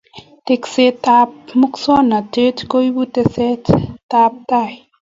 tekset tab musongnotet koibu teset tab tai